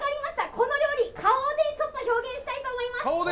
この料理顔で表現したいと思います。